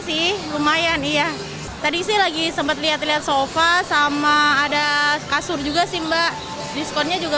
sih lumayan iya tadi sih lagi sempat lihat lihat sofa sama ada kasur juga sih mbak diskonnya juga